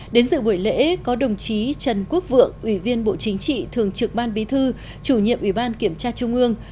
đến sự buổi lễ có đồng chí trần quốc vượng ủy viên bộ chính trị thường trực ban bí thư chủ nhiệm ủy ban kiểm tra trung ương